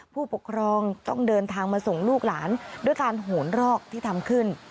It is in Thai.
ผู้ปกครองต้องเดินทางมาส่งลูกหลานด้วยการโหนรอกที่ทำขึ้น